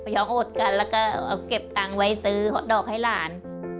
ยอมอดกันแล้วก็เอาเก็บตังค์ไว้ซื้อดอกให้หลาน